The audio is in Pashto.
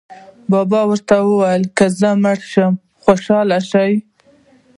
بابا ته ووایئ که زه مړه شوم خوشاله شه.